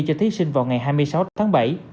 cho thí sinh vào ngày hai mươi sáu tháng bảy